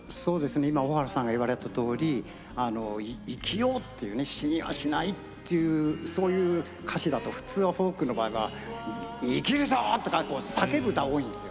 今、大原さんがおっしゃられたとおり「生きよう」「死にはしない」っていう歌詞だと普通、フォークの場合生きるぞ！とかって叫ぶ歌、多いんですよ。